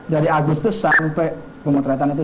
dari agustus sampai pemotretan itu